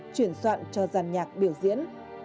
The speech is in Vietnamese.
chuyển soạn cho giàn nhạc biểu diễn